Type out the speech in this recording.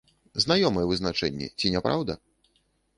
Знаёмае вызначэнне, ці не праўда?